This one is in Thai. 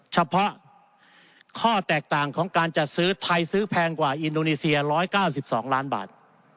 เฉพาะข้อแตกต่างของการจัดซื้อไทยซื้อแพงกว่าอินโดนีเซีย๑๙๒ล้านบาท